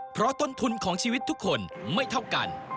เพราะต้นทุนของชีวิตทุกคนไม่เท่ากัน